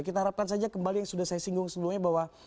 kita harapkan saja kembali yang sudah saya singgung sebelumnya bahwa